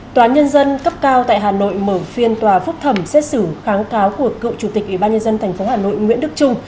tòa nhân dân cấp cao tại hà nội mở phiên tòa phúc thẩm xét xử kháng cáo của cựu chủ tịch ủy ban nhân dân tp hà nội nguyễn đức trung